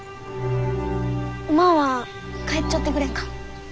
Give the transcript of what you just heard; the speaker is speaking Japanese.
おまんは帰っちょってくれんか？